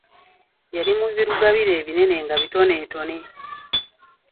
Yali mu birugabire ebinene nga bitoneetone.